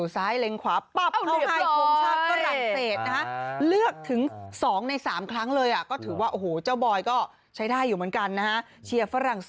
ซัตย์ขอนแกัน